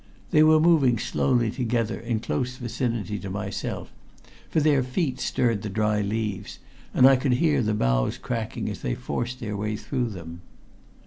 They were moving slowly together, in close vicinity to myself, for their feet stirred the dry leaves, and I could hear the boughs cracking as they forced their way through them.